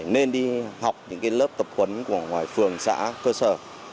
nên đi học những lớp tập huấn của ngoài phường xã cơ sở